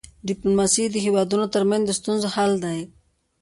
ډيپلوماسي د هيوادونو ترمنځ د ستونزو حل دی.